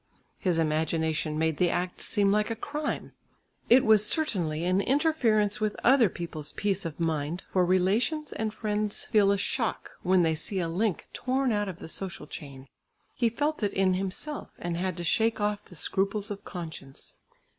His imagination made the act seem like a crime. It was certainly an interference with other people's peace of mind for relations and friends feel a shock, when they see a link torn out of the social chain. He felt it himself, and had to shake off the scruples of conscience.